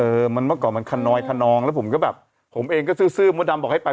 เออมันเมื่อก่อนมันขนอยขนองแล้วผมก็แบบผมเองก็ซื่อมดดำบอกให้ไป